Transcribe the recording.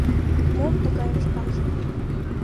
Мом тыгайым шканже